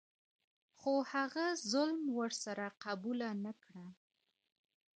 خو هغه ظلم ور سره قبوله نه کړه.